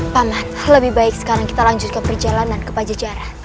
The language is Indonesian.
pak mas lebih baik sekarang kita lanjutkan perjalanan ke pajejaran